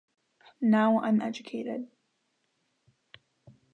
Now I'm educated.